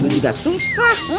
lu juga susah